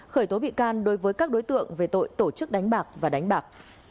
khởi tố bị can đối với các đối tượng về tội tổ chức đánh bạc và đánh bạc